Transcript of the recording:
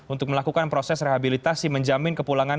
untuk melakukan proses rehabilitasi menjamin kepulangan